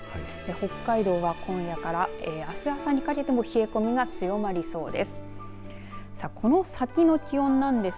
北海道は今夜からあす朝にかけても冷え込みが強まりそうです。